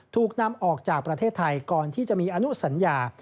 ถูกนำออกจากประเทศไทยก่อนที่จะมีอนุสัญญา